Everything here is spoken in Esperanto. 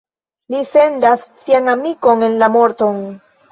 Li sendas sian amikon en la morton.